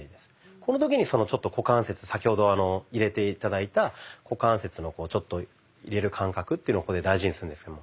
この時にちょっと股関節先ほど入れて頂いた股関節のちょっと入れる感覚というのを大事にするんですけども。